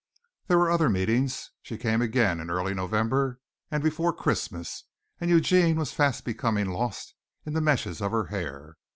There were other meetings. She came again in early November and before Christmas and Eugene was fast becoming lost in the meshes of her hair.